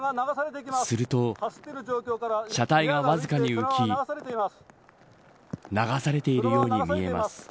すると車体が、わずかに浮き流されているように見えます。